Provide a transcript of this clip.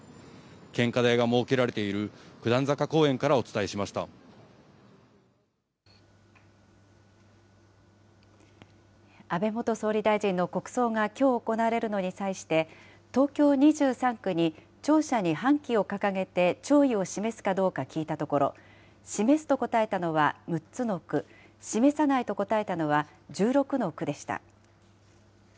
献花台が設けられている九段坂公安倍元総理大臣の国葬がきょう行われるのに際して、東京２３区に、庁舎に半旗を掲げて、弔意を示すかどうか聞いたところ、示すと答えたのは６つの区、示さないと答えたのは１６の区でした。